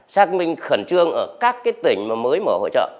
xác minh khẩn trương ở các tỉnh mới mở hội trợ